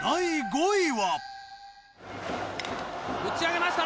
打ち上げました！